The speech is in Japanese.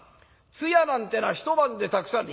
通夜なんてのは１晩でたくさん」。